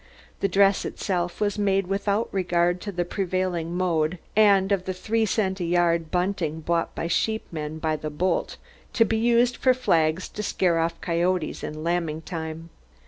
The dress itself was made without regard to the prevailing mode and of the three cent a yard bunting bought by sheepmen by the bolt to be used for flags to scare off coyotes in lambing time.